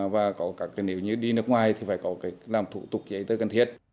và nếu như đi nước ngoài thì phải có làm thủ tục giấy tới cần thiết